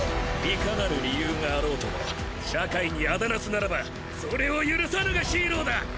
いかなる理由があろうとも社会に仇なすならばそれを許さぬがヒーローだ！